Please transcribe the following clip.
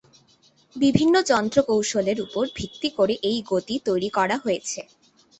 বিভিন্ন যন্ত্র কৌশলের উপর ভিত্তি করে এই গতি তৈরি করা হয়েছে।